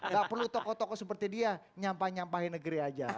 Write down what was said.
gak perlu tokoh tokoh seperti dia nyampah nyampahin negeri aja